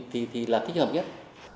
thì là tích hợp nhất